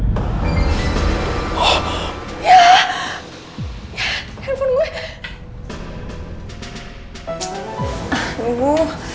tunggu tunggu